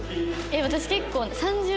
私結構。